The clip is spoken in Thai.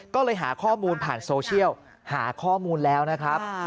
ก็เลยหาข้อมูลผ่านโซเชียลหาข้อมูลแล้วนะครับ